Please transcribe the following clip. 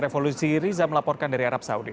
revolusi riza melaporkan dari arab saudi